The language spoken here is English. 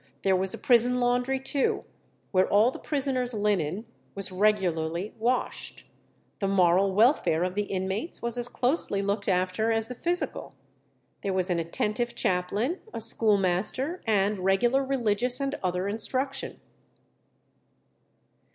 There was a prison laundry too, where all the prisoners' linen was regularly washed. The moral welfare of the inmates was as closely looked after as the physical. There was an attentive chaplain, a schoolmaster, and regular religious and other instruction.